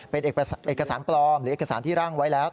เป็นเอกสารปลอมหรือเอกสารที่ร่างไว้แล้ว